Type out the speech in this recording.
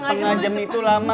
setengah jam itu lama